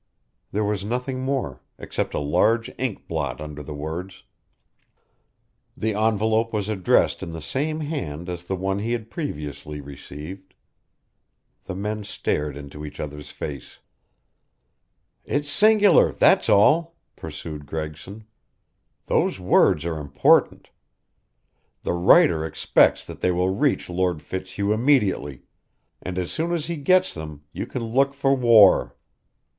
There was nothing more, except a large ink blot under the words. The envelope was addressed in the same hand as the one he had previously received. The men stared into each other's face. "It's singular, that's all," pursued Gregson. "Those words are important. The writer expects that they will reach Lord Fitzhugh immediately, and as soon as he gets them you can look for war.